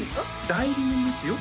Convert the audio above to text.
代理人ですよ